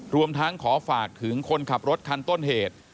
รวมทั้งขอฝากถึงคนขับรถคันต้นเหตุ